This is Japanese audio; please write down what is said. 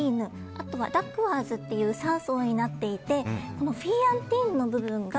あとはダクワーズという３層になっていてフィーアンティーヌの部分が。